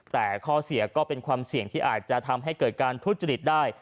แต่ข้อเสียก็เป็นความเสี่ยงที่อาจจะทำให้เกิดการทุจริตได้